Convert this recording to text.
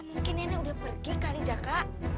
mungkin nenek sudah pergi kali jaka